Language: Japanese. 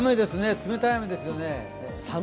冷たい雨ですよね。